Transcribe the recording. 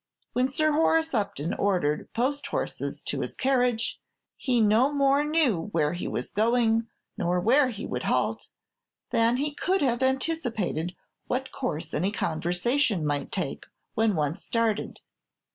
When Sir Horace Upton ordered post horses to his carriage, he no more knew where he was going, nor where he would halt, than he could have anticipated what course any conversation might take when once started.